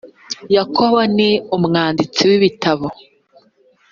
yakobo ni umwanditsi wibitabo.